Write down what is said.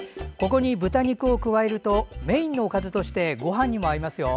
ここに豚肉を加えるとメインのおかずとしてごはんにも合いますよ。